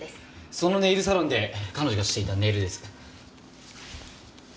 そのネイルサロンで彼女がしていたネイルです。